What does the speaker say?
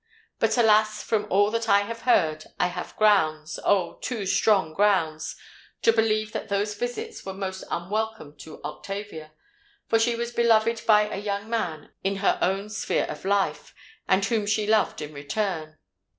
But, alas! from all that I have heard, I have grounds—oh! too strong grounds to believe that those visits were most unwelcome to Octavia; for she was beloved by a young man in her own sphere of life, and whom she loved in return.